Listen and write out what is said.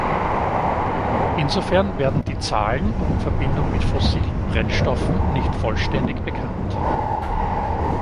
Insofern werden die Zahlen in Verbindung mit fossilen Brennstoffen nicht vollständig bekannt.